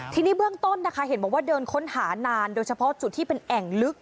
ทีนี้เบื้องต้นนะคะเห็นบอกว่าเดินค้นหานานโดยเฉพาะจุดที่เป็นแอ่งลึก